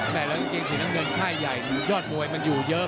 แม่เรื่องเกงสีน้ำเงินไข้ใหญ่ยอดมวยมันอยู่เยอะ